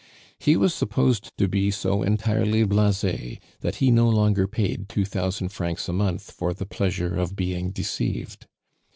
He was supposed to be so entirely blase, that he no longer paid two thousand francs a month for the pleasure of being deceived.